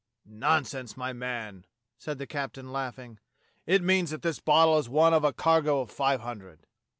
"Nonsense, my man," said the captain, laughing. "It means that this bottle is one of a cargo of ^ve hundred."